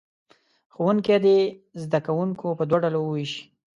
ښوونکي دې زه کوونکي په دوو ډلو ووېشي.